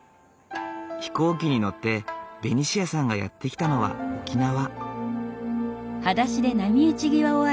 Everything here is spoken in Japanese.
飛行機に乗ってベニシアさんがやって来たのは沖縄。